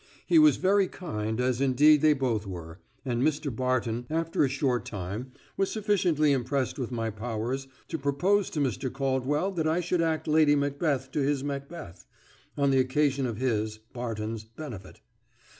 He was very kind, as indeed they both were; and Mr. Barton, after a short time, was sufficiently impressed with my powers to propose to Mr. Caldwell that I should act Lady Macbeth to his Macbeth, on the occasion of his (Barton's) benefit.